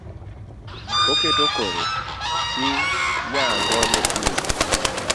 Oketo kore chi nyangonye otuo